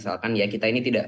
saya pikir ada